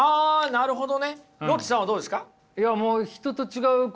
なるほど。